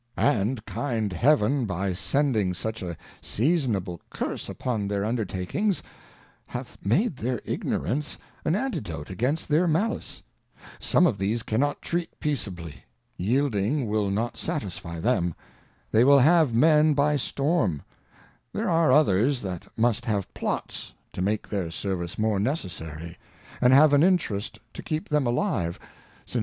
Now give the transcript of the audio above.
And kind Heaven by sending such a seasonable Curse upon their undertakings, hath made their ignorance an Antidote against their Malice ; some of these cannot treat peaceably ; yielding will not satisfy them, they vidll have men by storm ; there are others, that must have Plots, to make their Service more necessary, and have an Interest to keep them alive, since they of a Trimmer.